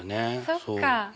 そっか。